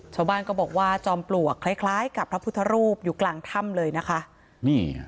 ชาวบ้านก็บอกว่าจอมปลวกคล้ายคล้ายกับพระพุทธรูปอยู่กลางถ้ำเลยนะคะนี่ค่ะ